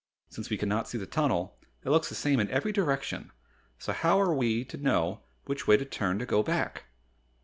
"Since we cannot see the tunnel, it looks the same in every direction, so how are we to know which way to turn to go back?"